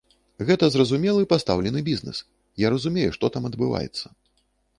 Гэта зразумелы пастаўлены бізнес, я разумею, што там адбываецца.